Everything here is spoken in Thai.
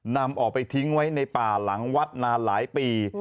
นำออกไปทิ้งไว้ในป่าหลังวัดนานหลายปี